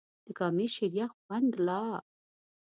د کامې شریخ خوند لا